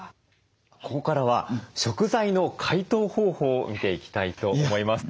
ここからは食材の解凍方法を見ていきたいと思います。